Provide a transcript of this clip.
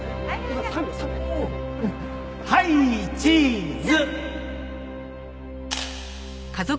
はいチーズ！